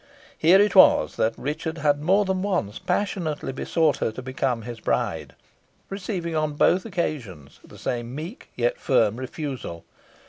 Here it was that Richard had more than once passionately besought her to become his bride, receiving on both occasions a same meek yet firm refusal.